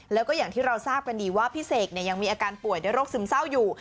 แล้วก็อย่างที่เราทราบกันดีว่าพี่เสกยังมีอาการป่วยด้วยโรคซึมเศร้าอยู่